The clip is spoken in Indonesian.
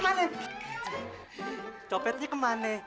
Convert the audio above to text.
manenya cenderung kemana